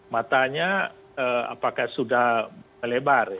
matanya apakah sudah melebar